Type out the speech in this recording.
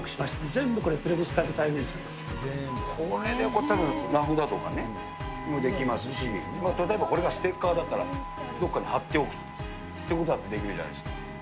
全部これ、ペロブスカイト太陽電これでたぶん名札とかもできますし、例えばこれがステッカーだったら、どこかに貼っておくということだってできるじゃないですか。